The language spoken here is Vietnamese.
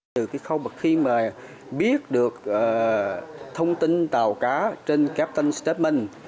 từ cái khâu bậc khi mà biết được thông tin tàu cá trên captain s statement